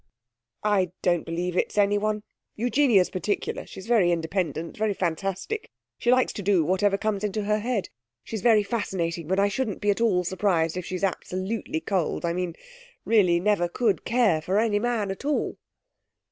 'I don't believe it's anyone. Eugenia's peculiar; she's very independent, very fantastic. She likes to do whatever comes into her head. She's very fascinating ... but I shouldn't be at all surprised if she's absolutely cold; I mean, really never could care for any man at all.'